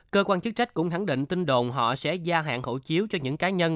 cơ quan chức trách cũng hẳn định tin đồn họ sẽ gia hạn hậu chiếu cho những cá nhân